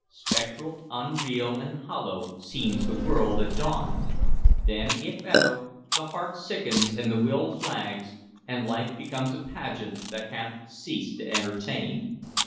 Spectral, unreal, and hollow seems the world at dawn. Then, if ever, the heart sickens and the will flags, and life becomes a pageant that hath ceased to entertain.